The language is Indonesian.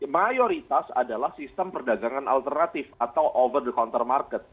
mayoritas adalah sistem perdagangan alternatif atau over the counter market